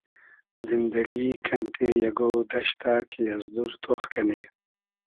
زیندئگی کئنتې اگۉ دئشتۂ کی از دور تۉخ کئنی